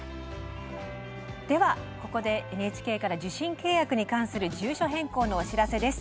ここでＮＨＫから受信契約に関する住所変更のお知らせです。